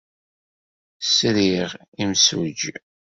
Sriɣ imsujji.